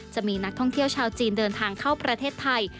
จะมีนักท่องเที่ยวชาวจีนเดินทางเข้าประเทศไทย